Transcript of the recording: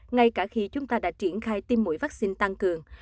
ngay cả khi chúng ta đã triển khai tiêm mũi vaccine tăng cường